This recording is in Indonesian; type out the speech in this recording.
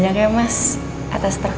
eh eh ya allah